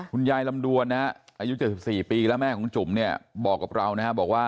ลำดวนนะฮะอายุ๗๔ปีแล้วแม่ของจุ๋มเนี่ยบอกกับเรานะครับบอกว่า